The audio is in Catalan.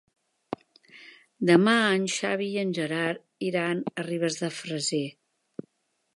Demà en Xavi i en Gerard iran a Ribes de Freser.